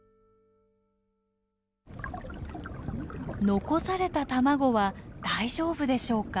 残された卵は大丈夫でしょうか。